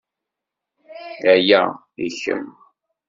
Aya i kemm.